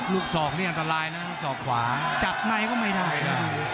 ลูกศอกเนี่ยอัตรายนะศอกขวาจับในก็ไม่ได้